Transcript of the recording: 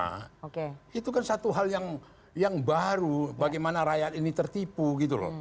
karena itu kan satu hal yang baru bagaimana rakyat ini tertipu gitu loh